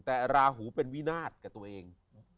แต่ราหูเป็นวินาศกับตัวเอง